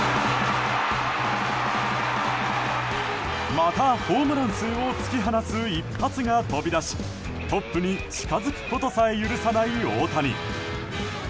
また、ホームラン数を突き放す一発が飛び出しトップに近づくことさえ許さない大谷。